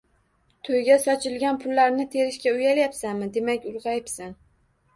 To'yga sochilgan pullarni terishga uyalyapsanmi? - Demak ulg'ayibsan!